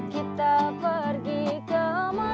kita pergi ke masa